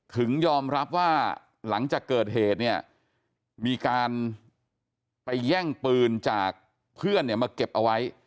ถึงยอมรับว่าหลังจากเกิดเหตุเนี่ยมีการไปแย่งปืนจากเพื่อนเนี่ยมาเก็บเอาไว้